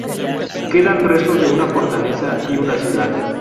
Quedan restos de una fortaleza y una ciudad.